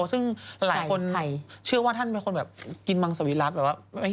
ซึ่งหลายคนเชื่อว่าท่านเป็นคนแบบกินมังสวิรัติแบบว่า